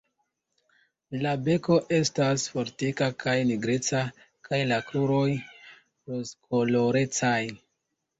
La beko estas fortika kaj nigreca kaj la kruroj rozkolorecaj.